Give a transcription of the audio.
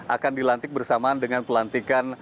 akan dilantik bersamaan dengan pelantikan